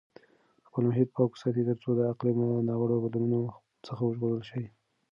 خپل محیط پاک وساتئ ترڅو د اقلیم له ناوړه بدلونونو څخه وژغورل شئ.